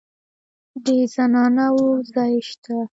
د زنانه وو ځای شته.